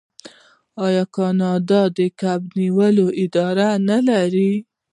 آیا کاناډا د کب نیولو اداره نلري؟